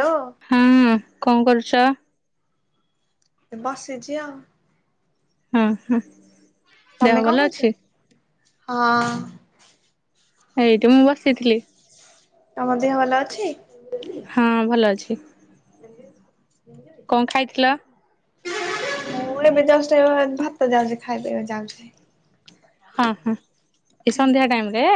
Hello. ହଁ କଣ କରୁଚ? ବସିଚି ଆଉ। ହୁଁ ହୁଁ। ତମେ କଣ କରୁଚ ହଁ। ଏଇଠି ମୁଁ ବସିଥିଲି। ତମ ଦେହ ଭଲ ଅଛି। ହଁ ଭଲ ଅଛି। ବି କଣ ଖାଇଥିଲ? ମୁଁ ଏବେ ଜଷ୍ଟ ଭାତ ଯାଉଚି ଖାଇଦେବି ଯାଉଛି। ହଁ ହଁ ଏ ସନ୍ଧ୍ୟା ଟାଇମ୍ ରେ।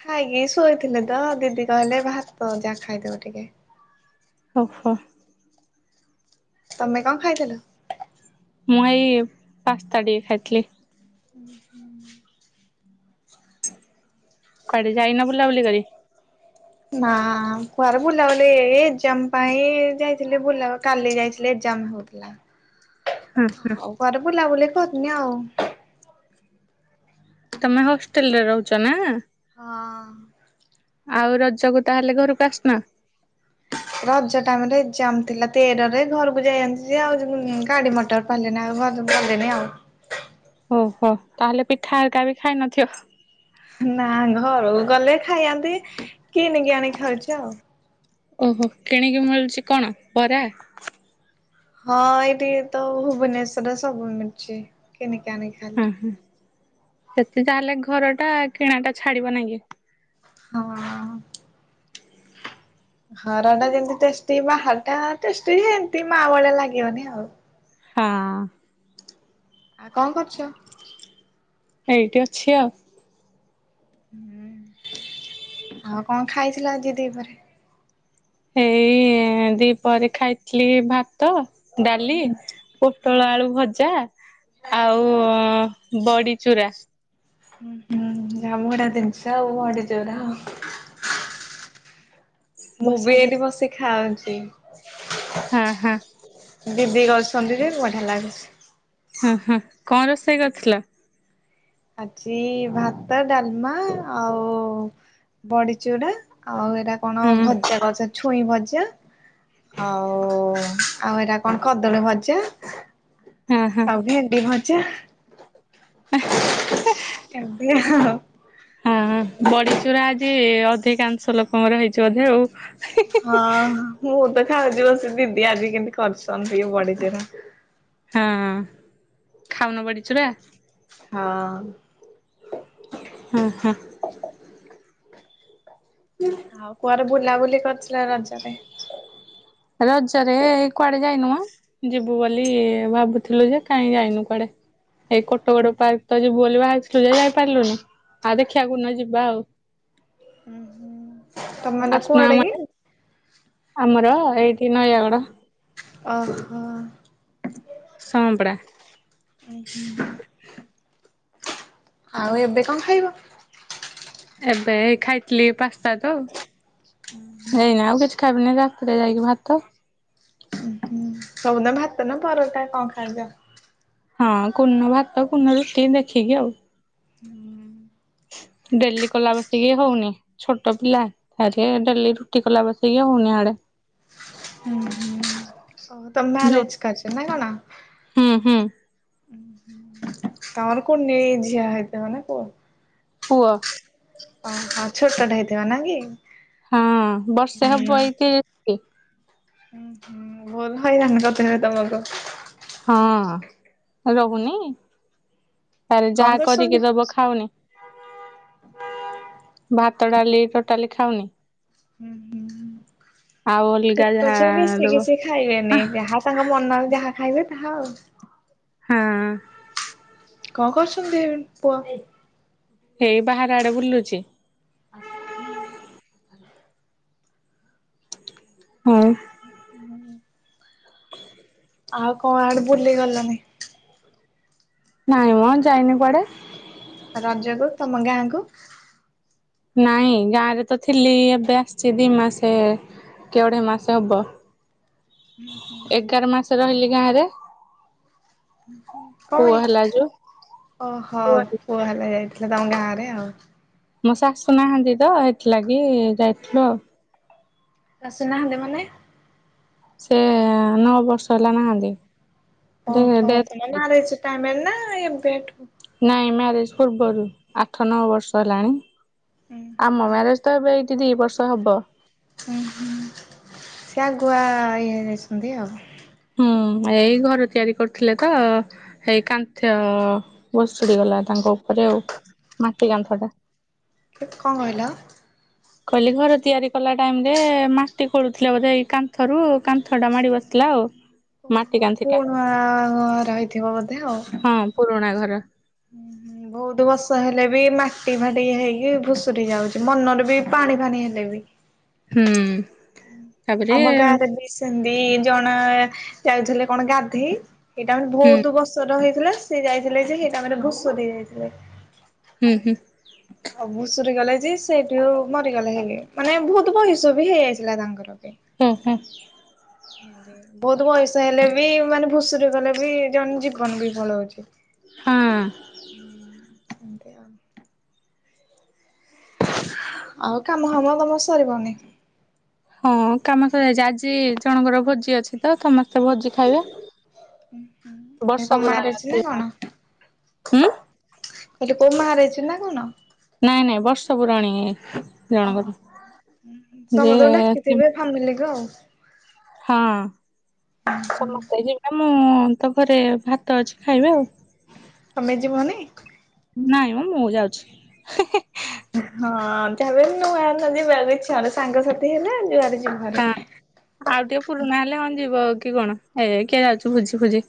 ଖାଇକି ଶୋଇଥିଲେ ତ ଦିଦି କହିଲେ ଭାତ ଯାହା ଖାଇଦବ ଟିକେ। ଓହୋ। ତମେ କଣ ଖାଇଥିଲ? ମୁଁ ଏଇ ପାସ୍ତା ଟିକେ ଖାଇଥିଲି। ହୁଁ ହୁଁ। କୁଆଡେ ଯାଇନ ବୁଲାବୁଲି କରି? ନା କୁଆର ବୁଲାବୁଲି ଏ ଏକ୍ଜାମ ପାଇଁ ଯାଇଥିଲେ ବୁଲା କାଲି ଯାଇଥିଲୀ ଏକ୍ଜାମ ହଉଥିଲା। ହୁଁ ହୁଁ। ଘରେ ବୁଲାବୁଲି କରିନି ଆଉ। ତମେ ହଷ୍ଟେଲ ରେ ରହୁଛ ନା? ହଁ। ଆଉ ରଜକୁ ତାହେଲେ ଘରକୁ ଆସନ ରଜ ଟାଇମ ରେ ଏକ୍ଜାମ ଥିଲା ତେରରେ ଘରକୁ ଯାଇ ଆଛି ଆଉ ଗାଡି ମଟର ଗଲିନି [unintelligible] ଓହୋ ତାହେଲେ ପିଠା ହେକା ବି ଖାଇ ନଥିବ? ନା ଘରୁ ଗଲେ ଖାଇଆନ୍ତି କିନିକି ଆଣିକି ଖାଉଛ ଆଉ। ଓହୋ କିଣିକି ମିଳୁଛି କଣ ପରା। ହଁ ଏଇଠିକେ ତ ଭୁବନେଶ୍ଵରରେ ସବୁ ମିଳଛି କିଣିକି ଆଣିକି ହଁ ଖାଇଲୁ। ହଁ ସେତେ ତାହେଲେ ଘର ଟା କିଣା ଟା ଛାଡିବ ନାଁ କି? ହଁ। ଘର ଟା ଯେମତି ଟେଷ୍ଟି ବାହାର ଟା ଟେଷ୍ଟି ସେମିତି ମା ଭଳିଆ ଲାଗିବନି ଆଉ। ହଁ। କଣ କରୁଚ? ଏଇଠି ଅଛି ଆଉ। ହୁଁ ଆଉ କଣ ଖାଇଥିଲ ଆଜି ଦିପହରେ? ଏଇ ଦି ପରେ ଖାଇଥିଲି ଭାତ ଡାଲି, ପୋଟଳ ଆଳୁ ହଁ ଭଜା ଆଉ ବଡି ଚୁରା। ହୁଁ ହୁଁ! ବଢିଆ ଜିନିଷ ଆଉ ବଡି ଚୁରା। [inaudible] ମୁଁ ବସ ବି ବସ ଏଇଠି ବସି ଖାଉଛି। ହଁ ହଁ। ଦିଦି କରିଛନ୍ତି ଯେ ବଢିଆ ଲାଗୁଛି। ହଁ ହଁ କଣ ରୋଷେଇ କରିଥିଲ? ଆଜି ଭାତ, ଡାଲମା ଆଉ ବଡି ଚୁରା ଆଉ ଏଇଟା କଣ ହୁଁ ଭଜା କଛନ୍ତି ଛୁଇଁ ଭଜା ଆଉ ଆଉ ଏଇଟା କଣ କଦଳୀ ଭଜା। ହଁ ହଁ। ଆଉ ଭେଣ୍ତି ଭଜା ଏମିତି ଆଉ। ହଁ ବଡିଚୁରା ଆଜି ଅଧିକା ଅଂଶ ଲୋକଙ୍କର ହେଇଛି ବୋଧେ ଆଉ।। ହଁ ହଁ ମୁଁ ତ ଖାଉଛି ବସି ଦିଦି ଆଜି କେମତି କରିଛନ୍ତି ବଡ଼ି ଚୁରା। ହଁ ଖାଉନ ବଡ଼ିଚୁରା? ହଁ। ହଁ ହଁ!। [unintelligible] ଆଉ କୁଆର ବୁଲାବୁଲି କରିଥିଲ ରଜରେ? ରଜ ରେ କୁଆଡେ ଯାଇନୁ ମୋ। ଯିବୁ ବୋଲି ଭାବୁଥିଲୁ ଯେ କାଇଁ ଯାଇନୁ କୁଆଡେ। ଏଇ କୋଟଗୋଡ ପାର୍କ ତ ଯିବୁ ବୋଲି ବାହାରିଥିଲୁ ଯେ ଯାଇ ପାରିଲୁନି। ଆଉ ଦେଖିଆ କୋଉ ଦିନ ଯିବା ଆଉ, ତମର ଆସୁନ କୁଆଡେ ଆମ କି? ଆଡେ ଆମର ଏଇଠି ନୟାଗଡ଼। ଓହୋ! ସଅଁପଡ଼ା। ଓ ହଁ। ଆଉ ଏବେ କଣ ଖାଇବ? ଏବେ ଏଇ ଖାଇଥିଲି ପାସ୍ତା ତ। ଓ ହଁ। ହେଇନା, ଆଉ କିଛି ଖାଇବିନି, ରାତିରେ ଯାଇକି ଭାତ। ଅଁ, ହଁ ସବୁଦିନ ଭାତ ନା ପରଟା କଣ ଖାଇଚ? ହଁ, କୋଉନ ଭାତ, କୋଉନ ରୁଟି ଦେଖିକି ଆଉ। ହୁଁ, ହଁ। ଡେଲି କଲା ବସିକି ହଉନି। ଛୋଟ ପିଲା ଆରେ ଡେଲି ରୁଟି କଲା ବସିକି ହଉନି ଆଡେ। ଓହୋ, ତୋମେ ଯୋଉ ମ୍ୟାରେଜ୍ କରିଛ ନାଇନ ନା? ହୁଁ, ହୁଁ। ତୋମର କୁନି ଝିଅ ହେଇଥିବ ନା ପୁଅ? ପୁଅ। ଓହୋ, ଛୋଟଟେ ହେଇଥିବ ନା କି? ହଁ ବର୍ଷେ ହବ ଏଇଥି ଅଁ, ହଁଁ ଭୁଲ ହଇରାଣ କରୁଥିବେ ତ ତୋମକୁ? ହଁ ରହୁନି, ଆଉ ତାରେ କଣ ଯାହା କରୁଛନ୍ତି? କରିକି ଦବ ଖା ଖାଉନି, ଭାତ ଡାଲି ଟୋଟାଲି ଖାଉନି। ହୁଁ, ଆଉ ହୁଁ ଅଲଗା ଛୋଟ ଯାହା ଛୁଆ ବେଶୀ ଦବ କିଛି ଖାଇବେନି। ଯାହା ତାଙ୍କ ମନ ଯାହା ଖାଇବେ ତାହା ଆଉ। ହଁ। କଣ କରୁଛନ୍ତି ପୁଅ? ହେଇ ବାହାର ଆଡେ ବୁଲୁଛି। ହୁଁ, ହଁ। [inaudible] ଆଉ କଣ ଆଡେ ବୁଲି ଗଲଣିି? ନାଇଁ ମୋ ଯାଇନି କୁଆଡେ। ରଜକୁୁ ତୋମ ଗାଁ କୁ? ନାଇଁ ଗାଁ ରେ ତ ଥିଲି ଏବେ ଆସିଛି ଦି ମାସେ କି ଅଢେଇ ମାସ ହବ। ଏଗାର ମାସ ରହିଲି ଗାଁରେ। କଣ ପାଇଁ? ଓହୋ! ପୁଅ ହେଲା ଯାଇଥିଲ ତୋମ ଗାଁରେ ଆଉ। ମୋ ଶାଶୁ ନାହାନ୍ତି ତ ଏଥିଲାଗି ଯାଇଥିଲୁ ଆଉ। ଆସିନାହାନ୍ତି ମାନେ? ସେ ନଅ ବର୍ଷ ହେଲା ନାହାନ୍ତି। ଡେ ଓହୋ ତମେ ଡେଥ୍ ମ୍ୟାରେଜ ଟାଇମରେ ନା ଏବେଠୁ ନାଇଁ ମ୍ୟାରେଜ ପୂର୍ବରୁ ଆଠ ନଅ ବର୍ଷ ହେଲାଣି। ହୁଁ ଆମ ହୁଁ। ମ୍ୟାରେଜ ତ ଏବେ ଏଇ ଦି ବର୍ଷ ହବ। ଉଁ ହୁଁ ସେ ଆଗୁଆ ଇଏ ହେଯାଇଛନ୍ତି ଆଉ। ହୁଁ ଏଇ ଘର ତିଆରି କରୁଥିଲେ ତ ହେଇ କାନ୍ଥ ଭୁଶୁଡ଼ି ଗଲା ତାଙ୍କ ଉପରେ ଆଉ ମାଟି କାନ୍ଥ ଟା। କେ କଣ କହିଲ? କହିଲି ଘର ତିଆରି କଲା ଟାଇମ୍ ରେ ମାଟି ଖୋଳୁଥିଲା ବୋଧେ ଏଇ କାନ୍ଥରୁ କାନ୍ଥ ଟା ମାଡ଼ି ବସି ଥିଲା ଆଉ। ମାଟି କାନ୍ଥି ଓହୋ ଟା [unintelligible] ରହିଥିବ ବୋଧେ ଆଉ? ହଁ ପୁରୁଣା ଘର ବହୁତ ବର୍ଷ ହେଲେ ବି ମାଟି ଫାଟି ହେଇକି ଭୁଷୁୁରି ଯାଉଛି ମନରେ ବି ପାଣି ଫାଣିି ହେଲେ ବି। ହୁଁ। ତାପରେ ଆମ ଗାଁରେ ବି ସେନ୍ତି ଜଣା ଯାଉଥିଲେ କଣ ଗାଧେଇ ସେଇଟା ମାନେ ହୁଁ ବହୁତ ବର୍ଷର ହେଇଥିଲା ସେ ଯାଇଥିଲେ ଯେ ସେଇଟା ମାନେ ଭୂସୁରି ଯାଇଥିଲେ। ହୁଁ ହୁଁ। ହଉ ଭୁଷୁରି ଗଲେ ଯେ ସେଇଠୁ ମରିଗଲେ ହେଲେ। ମାନେ ବହୁତ ବୟସ ବି ହେଇଯାଇଥିଲା ତାଙ୍କର ବି ହୁଁ ହୁଁ। ବହୁତ ବୟସ ହେଲେ ବି ମାନେ ଭୁସୁର ଗଲେ ବି ଜଣେ ଜୀବନ ବି ପଳଉଛି। ହୁଁ। [unintelligible] ଆଉ କାମ ଫାମ ତମ ସରିିବନି। ହଁ କାମ ସ ଯାଇଛି ଆଜି ଜଣଙ୍କର ଭୋଜି ଅଛି ତ ସମସ୍ତେ ଭୋଜି ଖାଇବା ବର୍ଷ କଣ ପୁରାଣ ମ୍ୟାରେଜ ନା ଅ କାଲି [unintelligible] ହେଇଛି ନା କଣ? ନାଇଁ ନାଇଁ ବର୍ଷ ପୁରଣୀକି ଓହୋ ସମସ୍ତଙ୍କୁ ଡାକିଥିବେ ଫାମିଲିକୁ ଆଉ। ହଁ। ଆ ମୁଁ ତ ପରେ ଭାତ ଅଛି ଖାଇବା ଆଉ। ତମେ ଯିବନି? ନାଇଁ ମ ମୁଁ ଯାଉଛି। ହିଁ-ହିଁ। ଉଁ ହଁ ଯାହାବି ହେଲେ ନୂଆ ନା ଯିବା ପାଇଁ ଇଚ୍ଛା ହଉନି। ସାଙ୍ଗସାଥି ହେଲେ ଯୁଆଡ଼େ ଯିବୁ ଭାରି। ହଁ ଆଉ ଟିକେ ପୁରୁଣା ହେଲେ ହଁ ଯିବ କି କଣ। ଏବେ କିଏ ଯାଉଚି ଭୁଜି ଫୁଜି।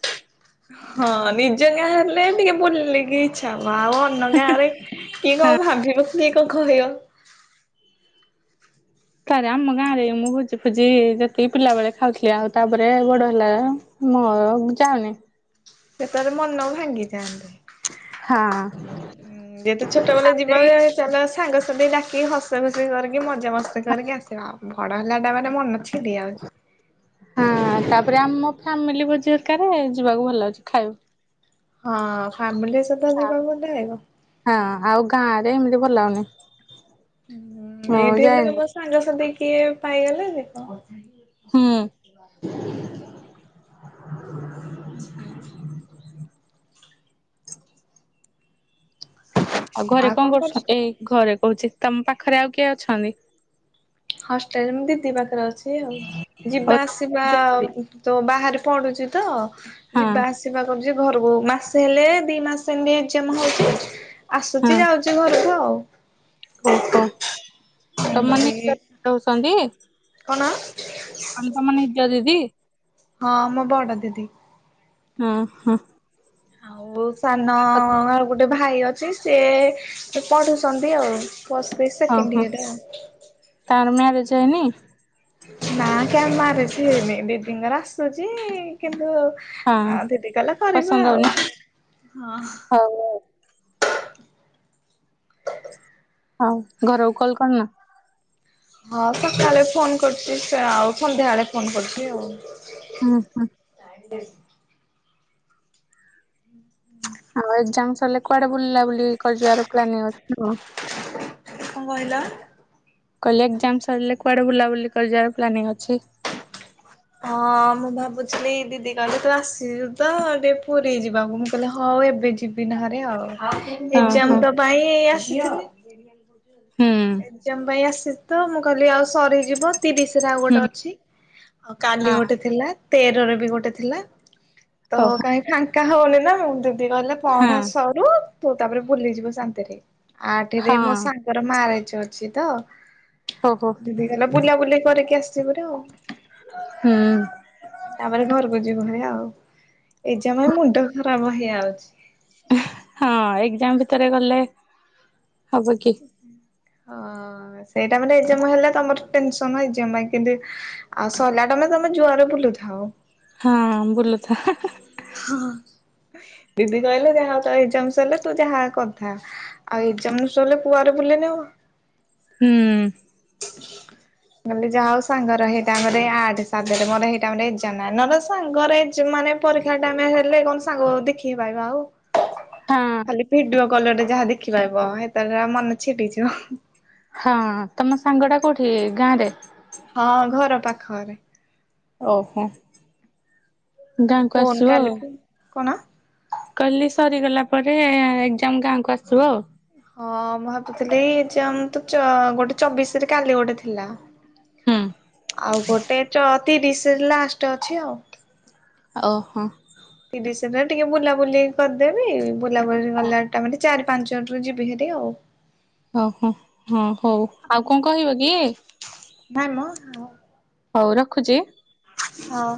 ହଁ ନିଜେନିଆ ହେଲେ ଟିକେ ବୁଲିକି ଛି ଥାଉ ଆଉ ଅନ୍ନ ଗାଁ ରେ କିଏ ହଁ କଣ ଭାବିବ କିଏ କଣ କହିବ? [inaudible] ତାରେ ଆମ ଗାଁରେ ମୁଁ ଭୋଜି ଫୋଜି ଯେତିକି ପିଲା ବେଳେ ଖାଉଥିଲି। ଆଉ ତାପରେ ବଡ଼ ହେଲା ମୋ ଯାଉନି। ସେଟାରେ ମନ ଭାଙ୍ଗି ହଁ ଯାଆନ୍ତା। ଯେହେତୁ ଛୋଟ ବେଳେ ଯିବା ଏଇ ବେଳେ ଚାଲ ସାଙ୍ଗସାଥି ଡାକି ହସ ଖୁସି କରିକି ମଜା ମସ୍ତି କରିକି ଆସିବା। ବଡ଼ ହେଲାଟା ମାନେ ମନ ଛି ଡ଼ି ଆଉଛୁ। ହଁ ତାପରେ ଆମ ଫ୍ୟାମିଲି ଭୋଜି ହେରକାରେ ଯିବାକୁ ଭଲ ଲାଗୁଛି। ଖାଇବୁ ହଁ ଫ୍ୟାମିଲି ସହିତ ହଁ ଯିବାକୁ ଗଲେ ଆଇବ। ହଁ ଆଉ ଗାଁ ରେ ଏମିତି ଭଲ ଲାଗୁନି। ହୁଁ ମୁଁ ଏଇଠି ହେଲେ ଜାଣିନି। ତମ ସାଙ୍ଗସାଥି କିଏ ପାଇଗଲେ ଯିବ। ହୁଁ। ଆଉ ଘରେ କଣ କରୁଛ ଏଇ ଘରେ କହୁଛି ତମ ପାଖରେ ଆଉ କିଏ ଅଛନ୍ତି? ହଷ୍ଟେଲ ମୁଁ ଦିଦି ପାଖରେ ଅଛି ଆଉ। ହଉ ଯିବା ତମେ ଆସିବା ନିଜ ଦିଦି ଆଉ ତ ବାହାରେ ପଢୁଚି ତ ହଁ ଯିବା ଆସିବା କରୁଚି। ଯେ ଘରକୁ ମାସେ ହେଲେ ଦି ମାସେ ଏମିତି ଏଜ୍ଜାମ୍ ହଉଛି ହଁ ଆସୁଚି ଯାଉ ଚି ଘରକୁ ଆଉ। ଓହୋ ତମାନେ ଏମିତି ରହୁଛନ୍ତି? କଣ? ଆମେ ତମ ନିଜ ଦିଦି? ହଁ ମୋ ବଡ ଦିଦି। ଅଁ ହଁ। ଆଉ ସାନ ଆଉ ଗୋଟେ ଭାଇ ଅଛି ସିଏ ସେ ପଢୁଛନ୍ତି ଆଉ। ପ୍ଲସ ଥ୍ରି ହଁ ସେକେଣ୍ଡ ହଁ ଇୟର ଏଇଟି ଆଉ। ତାର ମ୍ୟାରେଜ୍ ହେଇନି? ନା କାଇଁ ମ୍ୟାରେଜ ହେଇନି। ଦିଦିଙ୍କର ଆସୁଚି କିନ୍ତୁ ହଁ ଆ ଦିଦି କଲା କରିବା ପସନ୍ଦ ହଉନି ଆଉ ହଁ ହଉ ଆଉ। ଆଉ ଘରକୁ କଲ୍ କରିନ? ହଁ ସକାଳେ ଫୋନ କରୁଚି। ସେ ଆଉ ସନ୍ଧ୍ୟାବେଳେ ଫୋନ କରୁଚି ଆଉ। ହୁଁ ହୁଁ। ମୁଁ ଯାଣି ଦେଇଚି। ହୁଁ। ଆଉ ଏଗଜାମ ସରିଲେ କୁଆଡେ ବୁଲା ବୁଲି କରିିଯିବାର ପ୍ଲାନିଂ ଅ ନା କଣ? କଣ କହିଲ? କହିଲେ ଏଗଜାମ ସରିଲେ କୁଆଡେ ବୁଲାବୁଲି କରିିଯିବାର ପ୍ଲାନିଂ ଅଛି? ହଁ ମୁଁ ଭାବୁଥିଲି ଦିଦି କହିଲେ ତୁ ଆସିବୁ ତ ଟିକେ ପୁରୀ ଯିବାକୁ ମୁଁ କହିଲେ ହଉ ଏବେ ଯିବି ନହରେ ଆଉ। ହଁ ଏଗଜାମ ହଁ ଟା ପାଇଁ ଆସିଥିଲି। ହୁଁ ଏଗଜାମ ପାଇଁ ଆସି ତ ମୁଁ କହିଲି ଆଉ ସରିଯିବ ତିରିଶି ରେ ଆଉ ହୁଁ ଗୋଟେ ଅଛି। ଅ କାଲି ହଁ ଗୋଟେ ଥିଲା ତେରରେ ବି ଗୋଟେ ଥିଲା ତ ଓହୋ। କାହିଁ ଫାଙ୍କା ହଉନି ନା ମୁଁ ଦିଦି କହିଲେ ପଢା ହଁ ସରୁ ତୁ ତାପରେ ବୁଲିଯିବୁ ଶାନ୍ତିରେ। ହଁ ଆଠେରେ ମୋ ସାଙ୍ଗର ମାରେଜ୍ ଅଛି ତ? ହଉ ହଉ ଦିଦି କଲା ବୁଲା ବୁଲି କରିକି ଆସିବୁ ହେରି ଆଉ। ହୁଁ। ତାପରେ ଘରକୁ ଯିବୁ ହେରି ଆଉ ଏଜ୍ଜାମ୍ ପାଇଁ ମୁଣ୍ଡ ଖରାପ୍ ହେଇଯାଉଛି। ହଁ ଏକ୍ଜାମ ଭିତରେ ଗଲେ ହବ କି? ହଁ ସେଇଟା ମାନେ ଏଜ୍ଜାମା ହେଲେ ତମର ଟେନ୍ସନ ଏଜାମ କେବେ ଆଉ ସଲାଟମେ ତମେ ଜୁଆରେ ବୁଲୁଥାଆ। ହଁ ବୁଲୁଥା ହୁଁ ହୁଁ। ହଁ ହଁ ଦିଦି କହିଲେ ଯାହା ତ ଏଜ୍ଜିମ ସଇଲେ ତୁ ଯାହା କଥା। ଆଉ ଏଜ୍ଜାମ ଷଇଲେ କୁଆରେ ବୁଲିନେ ହବ। ହୁଁ। କଲି ଯା ହଉ ସାଙ୍ଗର ହେଇଟାଇମ ରେ ଆଠେ ସାତରେ ମୋର ହେଇଟାଇମ ରେ ଏଜା ନଁ ନା ନହେଲେ ସାଙ୍ଗରେ ମାନେ ପରୀକ୍ଷା ଟାଇମ୍ ହେଲେ କଣ ସାଙ୍ଗ ଦେଖିକି ପାଇବା ଆଉ। ହଁ ଖାଲି ଭିଡିଓ କଲରେ ଯାହା ଦେଖିପାରିବ ହେତେବେଳେ ମନ ଛିଡିଯିବ। ହଁ ତମ ସାଙ୍ଗଟା କୋଉଠି ଗାଁରେ? ହଁ ଘର ପାଖରେ। ଓହୋ ଗାଁକୁ ଫୋନ ଆସିବ କାଲି ଆଉ। ଫୋନ୍ କଣ? କହିଲି ସରିଗଲା ପରେ ଏକ୍ଜାମ ଗାଁକୁ ଆସିବ ଆଉ। ହଁ ମୁଁ ଭାବୁଥିଲି ଯେ ଆମ ତ ଚ ଗୋଟେ ଚବିଶରେ କାଲି ଗୋଟେ ଥିଲା। ହୁଁ। ଆଉ ଗୋଟେ ଚ ତିରିଶରେ ଲାଷ୍ଟ ଅଛି ଆଉ। ଓହୋ। ତିରିଶରେ ଟିକେ ବୁଲାବୁଲି କରିଦେବି ବୁଲାବୁଲି ଗଲା ତା ପରେ ଚାରି ପାଞ୍ଚ [unintelligible] ଯିବି ହେରି ଆଉ। ଓହୋ ହଁ ହଉ। ଆଉ କଣ କହିବ କି? ଧାନ? ହଉ ରଖୁଛି ହଁ।